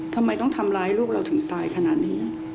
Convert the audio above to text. ทำไมต้องทำร้ายลูกเราถึงตายขนาดนี้